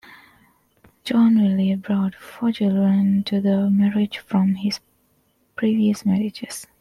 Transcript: John Willard brought four children to the marriage from his previous marriages.